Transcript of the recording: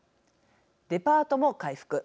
デパートも回復。